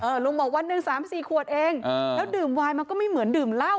ลุงบอกวันหนึ่งสามสี่ขวดเองอ่าแล้วดื่มวายมันก็ไม่เหมือนดื่มเหล้า